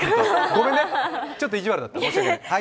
ごめんね、ちょっと意地悪だったかもね。